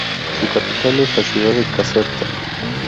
Su capital es la ciudad de Caserta.